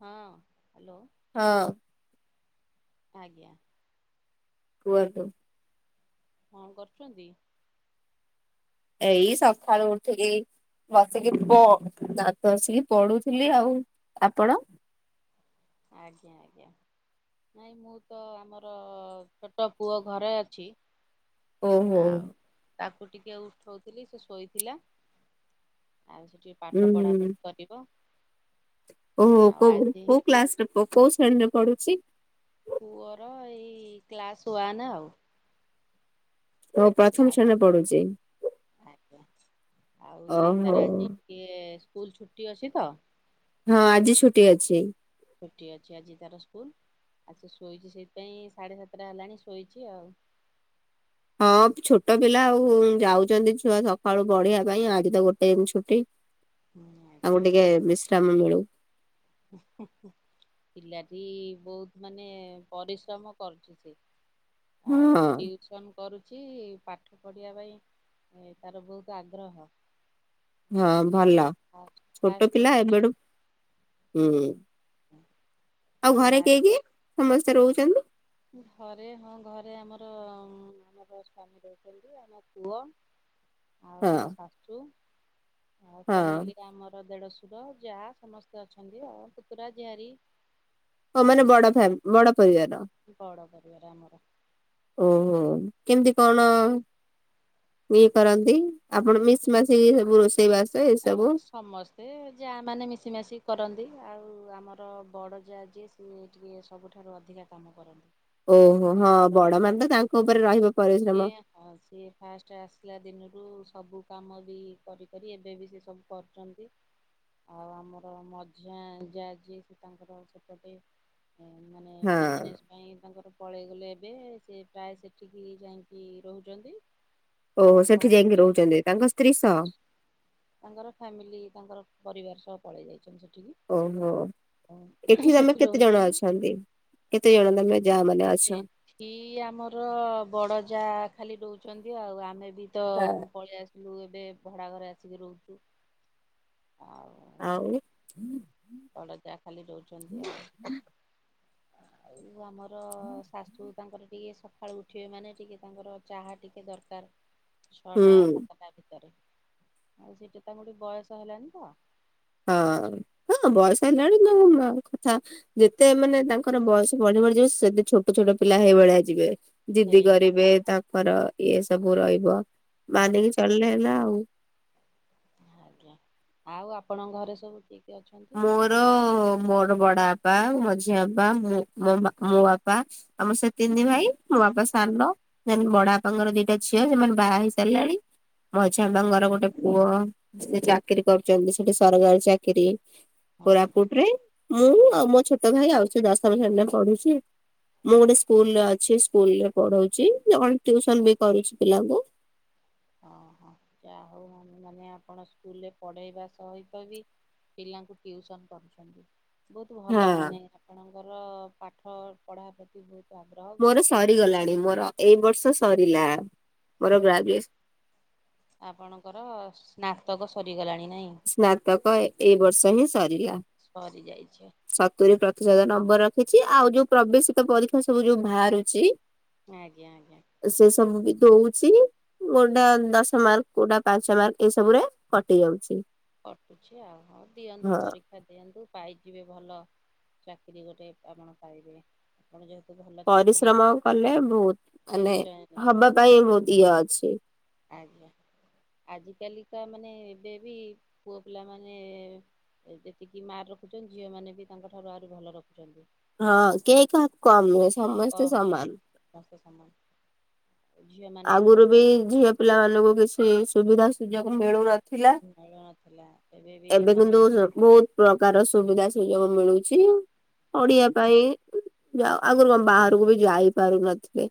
ହଁ ହ୍ୟାଲୋ। ହଁ। ଆଜ୍ଞା। କୁହନ୍ତୁ। କଣ କରୁଛନ୍ତି। ଏଇ ସକାଳୁ ଉଠିକି ବସିକି ପ ଦାନ୍ତ ଘସିକି ପଢୁଥିଲି ଆଉ ଆପଣ। ଆଜ୍ଞା ଆଜ୍ଞା। ନାଇଁ ମୁଁ ତ ଆମର ଛୋଟ ପୁଅ ଘରେ ଅଛି। ଓହୋ। ଆଉ ତାକୁ ଟିକେ ଉଠଉଥିଲି ସେ ଶୋଇଥିଲା ଆଉ ସେ ଟିକେ ପାଠ ଉୁଁ ପଢ଼ାପଢ଼ି କରିବ। ଓହୋ ଆଉ କୋଉ ଆଜି କୋଉ କ୍ଲାସରେ ପୁଅ କୋଉ ଶ୍ରେଣୀରେ ପଢୁଛି। ପୁଅର ଏଇ କ୍ଲାସ୍ ୱାନ୍ ଆଉ। ଓ ପ୍ରଥମ ଶ୍ରେଣୀରେ ପଢୁଛି। କ୍ଲାସ ଆଜ୍ଞା ଆଉ ସିଏ ଓହୋ ତାର ଆଜି କିଏ ସ୍କୁଲ ଛୁଟି ଅଛି ତ ହଁ ଆଜି ଛୁଟି ଅଛି। ଛୁଟି ଅଛି ଆଜି ତାର ସ୍କୁଲ ଆଉ ସେ ଶୋଇଛି ସେଇଥିପାଇଁ ସାଢ଼େ ସାତଟା ହେଲାଣି ଶୋଇଛି ଆଉ। ହଁ ଛୋଟ ପିଲା ଆଉ ଯାଉଛନ୍ତି ଛୁଆ ସକାଳୁ ପଢିବା ପାଇଁ ଆଜି ତ ଗୋଟେ ଦି ଛୁଟି। ହୁଁ ଆକୁ ଆଜ୍ଞା ଟିକେ ବିଶ୍ରାମ ମିଳୁ। ହୁଁ ହୁଁ ହୁଁ ପିଲାଟି ବହୁତ ମାନେ ପରିଶ୍ରମ କରୁଛି ସେ ହଁ ଆଉ ଟିଉସନ୍ କରୁଛି ପାଠ ପଢ଼ିବା ପାଇଁ ତାର ବହୁତ ଆଗ୍ରହ। ହଁ ଆଉ ଭଲ। ଫା ଛୋଟ ଫାଷ୍ଟ ପିଲା ହେଉଛି। ଏବେଠୁ ହୁଁ ଆଉ ଘରେ କ୍ଲାସ କିଏ କିଏ ସମସ୍ତେ ରହୁଛନ୍ତି। ଘରେ ହଁ ଘରେ ଆମର ଆମର ସ୍ଵାମୀ ରହୁଛନ୍ତି ଆମ ପୁଅ। ଆଉ ହଁ। ଆମ ଶାଶୁ ଆଉ ହଁ ଫ୍ୟାମିଲିଟା ଆମର ଦେଢ଼ସୁ ପୁତୁର ଯା ସମସ୍ତେ ଅଛନ୍ତି ଆଉ ପୁତୁରା ଝିଆରି। ହଁ ମାନେ ବଡ ଫ ବଡ ପରିବାର। ବଡ ପରିବାର ଆମର। ଓହୋ କେମିତି କଣ? ଇଏ କରନ୍ତି ଆପଣ ମିସି ମାସି ସବୁ ରୋଷେଇ ବାସ ଏ ଆଉ ସବୁ। ସମସ୍ତେ ଯା ମାନେ ମିଶିମାଶି କରନ୍ତି ଆଉ ଆମର ବଡ଼ ଯା ଯିଏ ସିଏ ଟିକେ ସବୁଠାରୁ ଅଧିକା କାମ କରନ୍ତି। ଓହୋ ହଁ ତାଙ୍କର ବଡ ମାନ ତ ତାଙ୍କ ଉପରେ ରହିବ ପରିଶ୍ରମ। ଆଉ ସିଏ ଫାଷ୍ଟ ଆସିଲା ଦିନରୁ ସବୁ କାମ ବି କରି କରି ଏବେ ବି। ସିଏ ସବୁ କରୁଛନ୍ତି। ଆଉ ଆମର ମଝିଆ ଯାଆ ଯିଏ ସେ ତାଙ୍କର ସେପଟେ ଉଁ ମାନେ ହଁ ବିଜନେସ୍ ପାଇଁ ତାଙ୍କର ପଳେଇଗଲେ ଏବେ ସେ ପ୍ରାୟ ସେଠିକି ଯାଇଁକି ରହୁଛନ୍ତି। ଆଉ ଓହୋ ସେଠି ଘରେ ଯାଇକି ବି ରହୁଛନ୍ତି ତାଙ୍କ ସ୍ତ୍ରୀ ସହ? ସେଠି ତାଙ୍କର ଫ୍ୟାମିଲି ତାଙ୍କର ପରିବାର ସହ ପଳେଇ ଯାଇଛନ୍ତି ସେଠିକି। ଓହୋ ଏଠି ତମେ ସେଠି କେତେ ଜଣ ରହୁଛନ୍ତି। ଅଛନ୍ତି? କେତେ ଜଣ ତମେ ଜା ମାନେ ଅଛ? ଏଠି ଆମର ବଡ ଜା ଖାଲି ରହୁଛନ୍ତି ଆଉ ଆମେ ବି ତ ହଁ। ପଳେଇଆସ୍ ଲୁ ଏବେ ଭଡ଼ା ଘରେ ଆସିକି ରହୁଛୁ ଆଉ। ଆଉ ବଡ ଜା ଖାଲି ରଉଛନ୍ତି ଆଉ। ଆଉ ଆମର ଶା ଶୁ ତାଙ୍କର ଟିକେ ସକାଳୁ ଉଠିବେ ମାନେ ଟିକେ ତାଙ୍କର ଚାହା ଟିକେ ଦରକାର। ଛଅଟା ହୁଁ। ସାତଟା ଭିତରେ ଆଉ ସେଠି ତାଙ୍କୁ ଟି ବୟସ ହେଲାନି ତ। ହଁ-ହଁ ବା ବୟସ ହେଲାଣି ତାଙ୍କ ମା ଙ୍କ କଥା ଯେତେ ମାନେ ତାଙ୍କ ତାଙ୍କର ବୟସ ବଢି ବଢିଯିବ ସେତେ ଛୋଟ-ଛୋଟ ପିଲା ହେଇ ଭଳିଆ ଯିବେ ଜିଦି ହେଇ କରିବେ ତାଙ୍କ ର ଇଏ ସବୁ ରହିବ ମାନିକି ଚଳିଲେ ହେଲା ଆଉ। ଆଜ୍ଞା ଆଉ ଆପଣଙ୍କ ଘରେ ସବୁ କିଏ? କିଏ ଅଛନ୍ତି? ମୋର ମୋର ବଡାପା, ମଝିଆଁ ବାପା, ମୋ ବାପା ଆମ ସେ ତିନି ହଁ ଭାଇ ମୋ ବାପା ସାନ ଦେନ୍ ବଡାପାଙ୍କର ଦିଟା ଝିଅ ସେମାନେ ବାହା ହେଇ ସାରିଲାଣି। ମଝିଆଁ ବାପାଙ୍କର ଗୋଟେ ପୁଅ ସେ ଚାକିରୀ କରୁଛନ୍ତି ସେଠି ସରକାରୀ ଚାକିରି। ହଁ। କୋରାପୁଟରେ ମୁଁ ଆଉ ମୋ ଛୋଟ ଭାଇ ଆଉ ସେ ଦଶମ ଶ୍ରେଣୀରେ ପଢୁଛି। ମୁଁ ଗୋଟେ ସ୍କୁଲରେ ଅଛି ସ୍କୁଲ ରେ ପଢ଼ଉଛି, ଟିୟୁସନ ବି କରୁଛି ପିଲାଙ୍କୁ। ହଁ-ହଁ ଯା ହଉ ମାନେ ଆପଣ ସ୍କୁଲରେ ପଢେଇବା ସହିତ ବି ପିଲାଙ୍କୁ ଟିଉସନ କରୁଛନ୍ତି। ବହୁତ୍ ହଁ ଭଲ ମାନେ ଆପଣଙ୍କର ପାଠ ପଢ଼ା ପ୍ରତି ବହୁତ୍ ମୋର ସରିଗଲାଣି ମୋର ଏଇ ବର୍ଷ ସରିଲା ମୋର ଗ୍ରାଜୁଏସନ୍। ଆପଣଙ୍କର ସ୍ନାତକ ସରିଗଲାଣି ନାଇଁ? ସ୍ନାତକ ଏଇ ବର୍ଷ ହିଁ ସରିଲା। ସରି ଯାଇଛି। ସତୁରି ପ୍ରତିଶତ ନମ୍ବର ରଖିଛି। ଆଉ ଯୋଉ ପ୍ରବେଶିତ ପରୀକ୍ଷା ସବୁ ଯୋଉ ବାହାରୁଛି ଆଜ୍ଞା ଆଜ୍ଞା। ସେ ସବୁ ବି ଦଉଛି। କୋଉଟା ଦଶ ମାର୍କ କୋଉଟା ପାଞ୍ଚ ମାର୍କ ଏସବୁ ରେ କଟି ଯାଉଛି। କଟୁଛି ଆଉ ହଉ ଦିଅନ୍ତୁ ହଁ। ପରୀ କ୍ଷା ଦିଅନ୍ତୁ ପାଇଯିବେ ଭଲ ଚାକିରି ଗୋଟେ ଆପଣ ପାଇବେ। ଆପଣ ଯେହେତୁ ଭଲ ଛାତ୍ରୀ ନା ପରିଶ୍ରମ କଲେ ବହୁତ୍ ମାନେ ନିଶ୍ଚୟ ନିଶ୍ଚୟ ହବା ପାଇଁ ବହୁତ୍ ଇଏ ଅଛି। ଆଜ୍ଞା ଆଜି କାଲିକା ମାନେ ଏବେ ବି ପୁଅ ପିଲାମାନେ ଯେତିକି ମାର୍ ରଖୁଛନ୍ତି ଝିଅ ମାନେ ବି ତାଙ୍କ ଠାରୁ ଆହୁରି ଭଲ ରଖୁଛନ୍ତି। ହଁ କେହି କାହାକୁ କମ୍ ନୁହେଁ ସମସ୍ତେ କମ୍ ସମାନ୍। ସମସ୍ତେ ସମାନ୍। ଆଗୁରୁ ବି ଏବେ ଝିଅ ପିଲା ମାନଙ୍କୁ କିଛି ସୁବିଧା ସୁଯୋଗ ମିଳୁନ ମିଳୁ ନଥିଲା ଏବେ ବି କିନ୍ତୁ ମାନେ ବହୁତ ପ୍ରକାର ସୁବିଧା ସୁଯୋଗ ମିଳୁଛି ପଢ଼ିଆ ପାଇଁ। ଯ ଆଗରୁ କଣ ବାହାରକୁ ବି ଯାଇ ପାରୁନଥିଲେ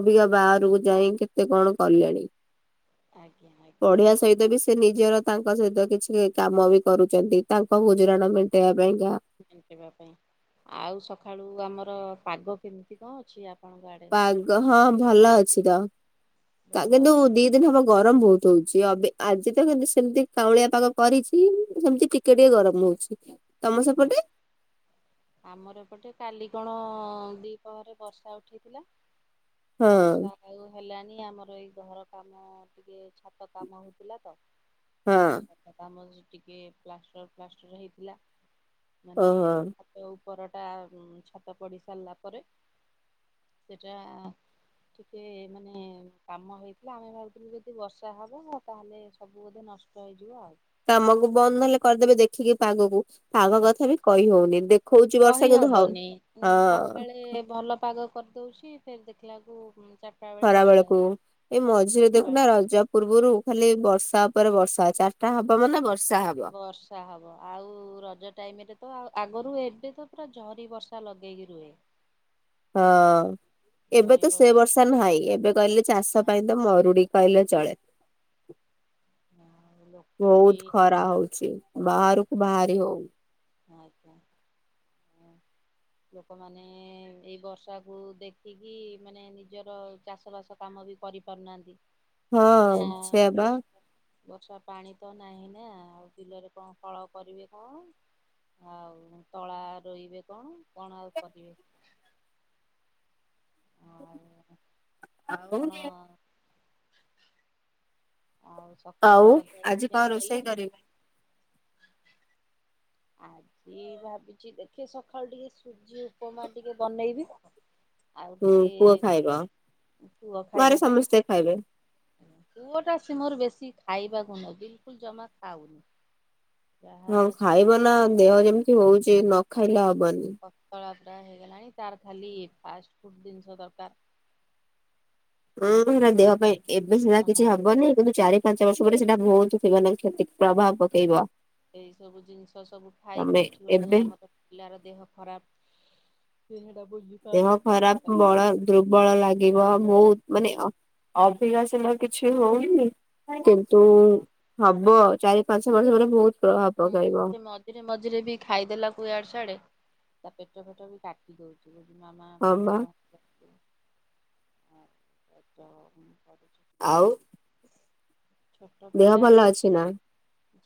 ଅବିକା ବାହାରକୁ ଯାଇଁ କେତେ କଣ କଲେଣି। ଆଜ୍ଞା ଆଜ୍ଞା। ପଢିବା ସହିତ ବି ସେ ନିଜର ତାଙ୍କ ସହିତ କିଛି କାମ ବି କରୁଛନ୍ତି ତାଙ୍କ ଗୁଜୁରାଣ ମେଣ୍ଟେଇବା ପାଇଁକା। ଇବା ପାଇଁ ଆଉ ସକାଳୁ ଆମର ପାଗ କେମିତି କଣ ଅଛି? ଆପଣଙ୍କ ଆଡ଼େ? ପାଗ ହଁ ଭଲ ଅଛି ତ, ଭଲ କିନ୍ତୁ ଅଛି ଦି ଦିନ ହବ ଗରମ ବହୁତ ହଉଛି ଅବେ ଆଜି ତ ସେମିତି କାଉଁଳିଆ ପାଗ କରିଛି ସେମିତିିକ କେ ଟିକେ ଗରମ ହଉଛି ତମ ହଁ ସେପଟେ? ଆମର ଏପଟେ କାଲି କଣ ଦିପହରେ ବର୍ଷା ଉଠେଇଥିଲା। ହଁ ବର୍ଷା ଆଉ ହେଲାନି ଆମର ଏଇ ଘର କାମ ଟିକେ ଛାତ କାମ ହଉଥିଲା ତ। ହଁ। କାମର ଟିକେ ପ୍ଲାଷ୍ଟର ଫ୍ଲାଷ୍ଟର ହେଇଥିଲା ମାନେ ଓହୋ ଉପରଟା ଛାତ ପଡ଼ି ସାରିଲା ପରେ ସେଇଟା ଟିକେ ମାନେ କାମ ହେଇଥିଲା ଆମେ ଭାବୁଥିଲୁ ଯଦି ବର୍ଷା ହବ ତାହେଲେ ସବୁ ବୋଧେ ନଷ୍ଟ ହେଇଯିବ ଆଉ। କାମକୁ ବନ୍ଦ ନହେଲେ କରିଦେବେ ଦେଖିକି ପାଗକୁ, ପାଗ କଥା ବି କହି ହଉନି ଦେ କହିହବନି ସକାଳେ ଭଲ ପାଗ କରିଦଉଛି ଫେର ଦେଖିଲାକୁ ଚା ଖରା ବେଳକୁ ଏଇ ମଝିରେ ଦେଖୁନା ରଜ ପୂର୍ବରୁ ଖାଲି ବର୍ଷା ଉପରେ ବର୍ଷା ଚାରିଟା ହବ ମାନେ ବ ବର୍ଷ ସା ହବ ଆଉ ରଜ ଟାଇମ ରେ ତ ଆଗରୁ ଏବେ ତ ପୁରା ଝରି ବର୍ଷା ଲଗେଇକି ରୁହେ। [inaudible] ହଁ ଏବେ ତ ସେ ବର୍ଷା ନାହିଁ ଏବେ କହିଲେ ଚାଷ ପାଇଁ ତ ମରୁଡିି। କହିଲେ ଚଳେ ଲୋକ ବି ବହୁତ ଖରା ହଉଛି। ବାହାରକୁ ବାହାରି ହଉନି। ଆଜ୍ଞା। [inaudible] ଲୋକମାନେ ଏଇ ବର୍ଷାକୁୁ ଦେଖିକି ମାନେ ନିଜର ଚାଷ ବାସ କାମ ବି କରିପାରୁନାହାନ୍ତି କାହିଁ ନା ହଁ ସେୟା ବା ଵର୍ଷା ବର୍ଷା ପାଣି ତ ନାହିଁ ନା ଆଉ ବିଲରେ କଣ ଫଳ କରିବେ କଣ? ଆଉ ତଳା ରୋଇବେ କଣ କଣ ଆଉ କରିବେ? ଆଉ କଣ ଆଉ ସକାଳ ଆଉ ଆଜି ଜଳଖିଆ କଣ ରୋଷେଇ ଖାଇଲେଣି? କରିବେ? ଆଜି ଭାବିଛି ଦେଖେ ସଖାଳୁ ଟିକେ ସୁଜି ଉପମା ଟିକେ ବନେଇବି। ଆଉ ହୁଁ ଟିକେ ପୁଅ ଖାଇବ, ଘରେ ସମସ୍ତେ ଖାଇବେ। ପୁଅଟା ସେ ମୋର ବେଶି ଖାଇବାକୁ [unintelligible] ବିଲକୁଲ୍ ଜମା ଖାଉନି। ଯାହା ହଁ ହେଲାକୁ ବି ଖାଇବ ନା, ଦେହ ଯେମ୍ତି ହଉଛି ନ ଖାଇଲେ ହବନି। ପତଳା ପୁରା ହେଇଗଲାଣି ତାର ଖାଲି ଫାଷ୍ଟ ଫୁଡ୍ ଜିନିଷ ଦରକାର୍। ହଁ ସେଟା ଦେହ ପାଇଁ ଦୋକାନ ଏବେ ସିନା ହଁ କିଛି ହବନି, କିନ୍ତୁ ଚାରି ପାଞ୍ଚ ବର୍ଷ ପରେ ସେଟା ବହୁତ୍ ଥିବ ନା କ୍ଷତି ପ୍ରଭାବ ପକେଇବ। ଏଇ ସବୁ ଜିନିଷ ସବୁ ତମେ ଖାଇକି ଏଠି ଗୋଟେ ଏବେ ଆମର ପିଲାର ଦେହ ଖରାପ୍ ସେଟା ବୁଝ ଦେହ ଖରାପ୍ ବଳ ଦୁର୍ବଳ ଲାଗିବ ବହୁତ୍ ମାନେ [unintelligible] ସିନା କିଛି ହଉନି କିନ୍ତୁ ଆଜ୍ଞା ହବ ଚାରି ପାଞ୍ଚ ବର୍ଷ ପରେ ବହୁତ୍ ପ୍ରଭାବ୍ ପକାଇବ। ମଝିରେ-ମଝିରେ ବି ଖାଇଦେଲାକୁ ଇଆଡେ ସିଆଡେ ତା ପେଟ ଫେଟ ବି କାଟ୍ ଟି ଦଉଚି, କହୁଚି ମାମା ହଁ ବା ପେଟ କଣ [unintelligible] [inaudible] ଆଉ? ଛୋଟ ଦେହ ପିଲା ଭଲ ବି ଅଛି ନା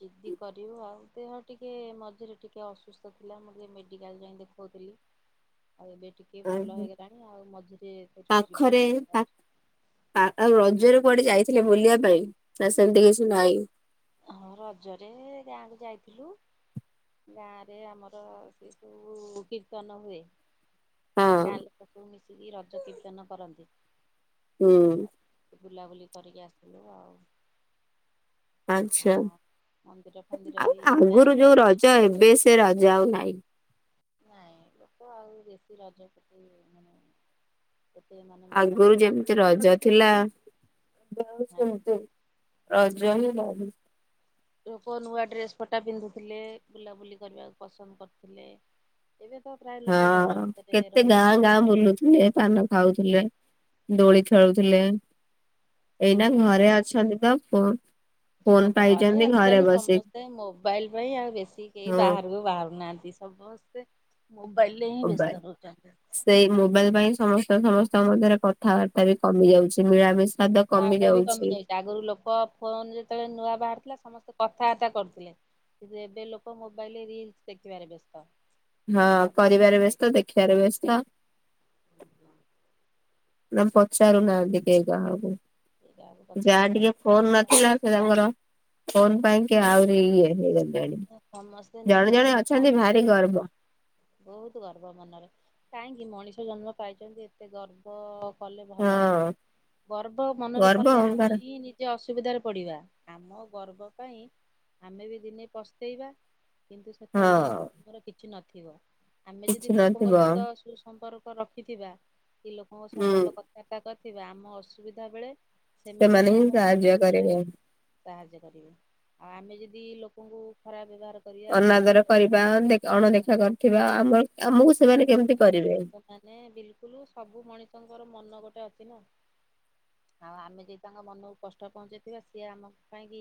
ଜିଦି କରିବ ଆଉ, ଦେହ ଟିକେ ମଝିରେ ଟିକିଏ ଅସୁସ୍ଥ ଥିଲା ମୁଁ ଟିକେ ମେଡ଼ିକାଲ୍ ଯାଇଁ ଦେଖୋଉଥିଲି। [inaudible] ଆଉ ଏବେ ଟିକେ ଭଲ ହେଇଗଲାଣି, ଆଉ ମଝିରେ ପାଖରେ ଯିବାର ଟିକେ ପା ଅଛି। ଆଉ ରଜରେ କୁଆଡେ ଯାଇଥିଲେ ବୁଲିବା ପାଇଁ, ନା ସେମ୍ତି କିଛି ନାହିଁ? ହଁ ରଜରେ ଗାଁକୁ ଯାଇଥିଲୁ। ଗାଁରେ ଆମର ସେ ସବୁ କୀର୍ତ୍ତନ ହୁଏ। ହଁ ଗାଁ ଲୋକ ସବୁ ମିଶିକି ରଜ କୀର୍ତ୍ତନ କରନ୍ତି। ହୁଁ। ବୁଲାବୁଲି କରିକି ଆସିଲୁ ଆଉ। ଆଚ୍ଛା, ହଁ। ମନ୍ଦିର ଫନ୍ଦିର ଆଉ ବି ଆଗୁରୁ ଗାଁରେ ଯୋଉ ରଜ ଏବେ ସେ ରଜ ଆଉ ନାହିଁ। ନାଇଁ ଲୋକ ଆଉ ବେଶୀ ରଜ ପ୍ରତି ମାନେ ସେତେ ମାନେ ମନ ଆଗୁରୁ ଦଉନାହାନ୍ତି ଯେମ୍ତି କି ରଜ ଆମର ଥିଲା ରଜ ହିଁ ନାହିଁ। ଲୋକ ନୂଆ ଡ୍ରେସ ପଟା ପିନ୍ଧୁଥିଲେ, ବୁଲାବୁଲି କରିବାକୁ ପସନ୍ଦ କରୁଥିଲେ। ଏବେ ତ ପ୍ରାୟ ଲୋକ ହଁ ଘର ଭିତରେ କେତେ ରହିବାକୁ ଗାଁ-ଗାଁ ବୁଲୁଥିଲେ ପାନ ଲେ ଖାଉଥିଲେ। ଦୋଳି ଖେଳୁଥିଲେ, ହଁ ଏଇନା ପରା। ଘରେ ଅଛନ୍ତି ତ ପୁ ସ ଘରେ ଆଜିକାଲି ସମସ୍ତେ ମୋବାଇଲ୍ ପାଇଁ ଆଉ ବେଶୀ କେହି ହଁ ବାହାରକୁ ବାହାରୁନାହାନ୍ତି। ସମସ୍ତେ ମୋବାଇଲ୍ ରେ ହିଁ ମୋବାଇଲ। ବ୍ୟସ୍ତ ରହୁଚନ୍ତି। ସେଇ ମୋବାଇଲ୍ ପାଇଁ ସମସ୍ତେ ସମସ୍ତଙ୍କ ମଧ୍ୟରେ କ କଥାବାର୍ତ୍ତା ବି କମି ଯାଉଛି, ମିଳାମିଷାଦ କମି ବାହାରବା ବି କମି ଯାଉଛି। ଯାଇଛି ଆଗରୁ ଲୋକ ଫୋନ୍ ଯେତେବେଳେ ନୂଆ ବାହାରିଥିଲା ସମସ୍ତେ କଥାବାର୍ତ୍ତା କରୁଥିଲେ। କିନ୍ତୁ ଏବେ ଲୋକ ମୋବାଇଲ୍ ରେ ରିଲ୍ସ ଦେଖିିବାରେ ବ୍ୟସ୍ତ। ହଁ ଆଉ କରିବାରେ ବ୍ୟସ୍ତ, ଦେଖିଆରେ ବ୍ୟସ୍ତ। [unintelligible] ନା ପଚାରୁ ନାହାନ୍ତି କେହି କାହାକୁ। କାହାକୁ ପଚାରିବା ଯାହା ନାହିଁ ଟିକେ ଫୋନ୍ ନଥିଲା ସେ ତାଙ୍କର ଫୋନ୍ ପାଇଁକି ଆହୁରି ଇଏ ହେଇଗଲେ। ସମସ୍ତେ ନିଜ-ନିଜ କାର୍ଯ୍ୟରେ ଭାରି ଗର୍ବ ବ୍ୟସ୍ତ। ବହୁତୁ ଗର୍ବ ମନରେ, କାହିଁକି ମଣିଷ ଜନ୍ମ ପାଇଚନ୍ତି ଏ ଏତେ ଗର୍ବ କଲେ ଭଲ ନୁହଁ, ହଁ ଗର୍ବ ମନରେ ଗର୍ବ କଲେ ଅହଙ୍କାର ଆମେ ହିଁ ନି ଜେ ଅସୁବିଧାରେ ପଡ଼ିବା, ଆମ ଗର୍ବ ପାଇଁ ଆମେ ବି ଦିନେ ପସ୍ତେଇବା। କିନ୍ତୁ ସେତେବେଳକୁ ହଁ। ଆମର କିଛି ନଥିବ ଆମେ ଯଦି କିଛି ଲୋକଙ୍କ ନଥିବ ସହିତ ସମ୍ପର୍କ ରଖିଥିବା କିଲୋକଙ୍କ ସହ ହୁଁ ଭଲ କଥାବାର୍ତ୍ତା କରିଥିବା ଆମ ଅସୁବିଧା ବେଳେ ସେମାନେ ସେମାନେହିଁ ହିଁ ଆମ ପାଖରେ ସାହାଯ୍ୟ ଠିଆ କରିବେ। ହେବେ। ସାହାଯ୍ୟ କରିବେ ଆଉ ଆମେ ଯଦି ଲୋକଙ୍କୁ ଖରାପ ବ୍ୟବହାର କରିବା କି ଅନାଦର ମନ କରିବା ଅଣଦେଖା କରିଥିବା ଆମର ଆମକୁ ସେମାନେ କେମିତି କରିବେ। ସେମାନେ ବିଲକୁଲ ସବୁ ମଣିଷଙ୍କର ମନ ଗୋଟେ ଅଛି ନା ଆଉ ଆମେ ଯଦି ତାଙ୍କ ମନକୁ କଷ୍ଟ ପହଞ୍ଚେଇଥିବା ସିଏ ଆମ ପାଇଁକି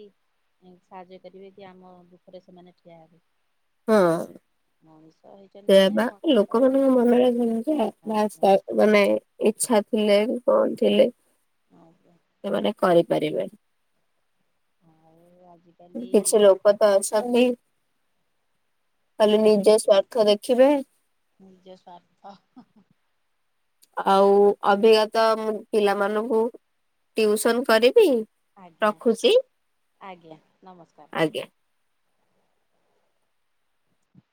ସାହାଯ୍ୟ କରିବେ କିଆମ ଦୁଃଖରେ ସେମାନେ ଠିଆ ହେବେ। ହଁ ମଣିଷ ହେଇଛନ୍ତି ମାନେ ମ କହୁନୁ ମନରେ ଭମିକା ବାସ୍ ମାନେ ଇଚ୍ଛା ଥିଲେ କଣ ଥିଲେ ଆଉ ସେମାନେ କରିପାରିବେ। ଆଜିକାଲି କିଛି ଲୋକତ ଅଛନ୍ତି ଖାଲି ସେମାନେ ନିଜ ସ୍ୱାର୍ଥ ଦେଖିବେ। ନିଜ ସ୍ୱାର୍ଥ ହଁ ହଁ। ଆଉ ଅଭି କାତ ମୁଁ ପିଲାମାନଙ୍କୁ ଟୁୟୁସନ୍ କରିବି। ଆଜ୍ଞା ରଖୁଛି ଆଜ୍ଞା ନମସ୍କାର। ଆଜ୍ଞା।